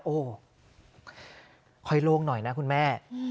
โอ้โหค่อยโล่งหน่อยนะคุณแม่